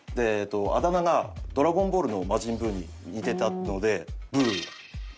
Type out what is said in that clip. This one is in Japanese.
あだ名が『ドラゴンボール』の魔人ブウに似てたので「ブウ」。